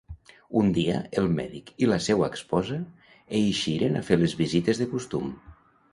Un dia, el mèdic i la seua esposa eixiren a fer les visites de costum.